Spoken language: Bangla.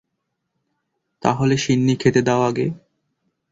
তাহলে শিন্নি খেতে দাও আগে।